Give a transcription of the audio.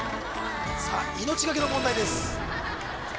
さあ命がけの問題です